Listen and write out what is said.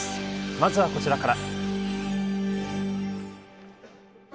まずはこちらから。